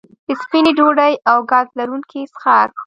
سپینې ډوډۍ او ګاز لرونکي څښاک